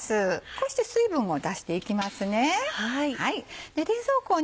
こうして水分を出していきます。